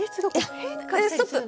ストップ！